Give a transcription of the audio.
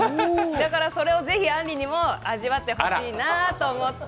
だからそれをぜひ、あんりにも味わってほしいなと思って。